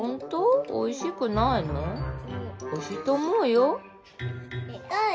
おいしいと思うよ。